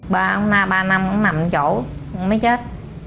ba ông na ba năm nó nằm chỗ nó chết